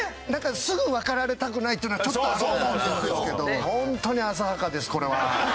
すぐわかられたくないというのはちょっとあるんですけどホントに浅はかですこれは。